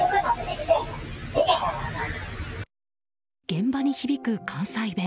現場に響く関西弁。